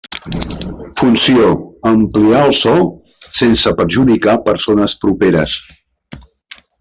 Funció: amplia el so, sense perjudicar persones properes.